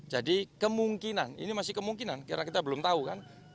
jadi kemungkinan ini masih kemungkinan karena kita belum tahu kan